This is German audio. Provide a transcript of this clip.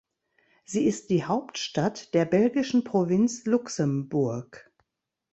Sie ist die Hauptstadt der belgischen Provinz Luxemburg.